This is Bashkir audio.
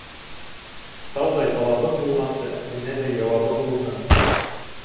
Тауҙай талабың булғансы, энәләй яуабың булһын.